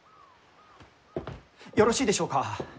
よろしいでしょうか？